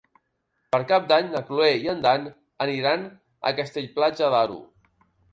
Per Cap d'Any na Cloè i en Dan aniran a Castell-Platja d'Aro.